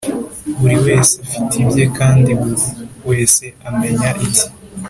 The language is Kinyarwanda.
buri wese afite ibye kandi buri wese amenya ibye